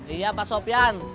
iya pak sopian